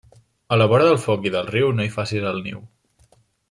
A la vora del foc i del riu, no hi facis el niu.